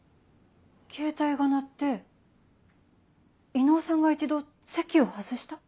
ケータイが鳴って伊能さんが一度席を外した？